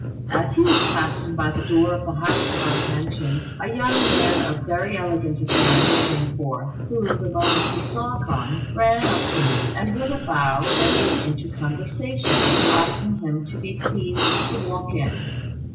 As he was passing by the door of the house above mentioned, a young man of very elegant appearance came forth, who, the moment he saw K'ung, ran up to him, and with a bow, entered into conversation, asking him to be pleased to walk in.